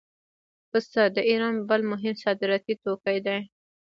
پسته د ایران بل مهم صادراتي توکی دی.